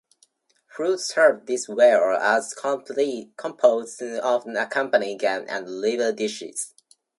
Fruit served this way or as compote often accompany game and liver dishes.